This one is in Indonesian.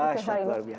dahsyat luar biasa